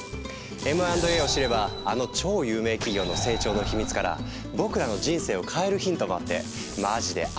Ｍ＆Ａを知ればあの超有名企業の成長の秘密から僕らの人生を変えるヒントもあってマジであっと驚くお話なんですよ！